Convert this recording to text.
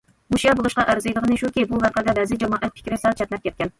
ھوشيار بولۇشقا ئەرزىيدىغىنى شۇكى، بۇ ۋەقەدە بەزى جامائەت پىكرى سەل چەتنەپ كەتكەن.